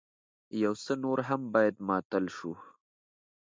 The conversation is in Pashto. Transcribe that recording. يو څه نور هم بايد ماتل شو.